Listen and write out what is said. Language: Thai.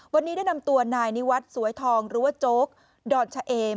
วันนี้ได้นำตัวนายนิวัฒน์สวยทองหรือว่าโจ๊กดอนชะเอม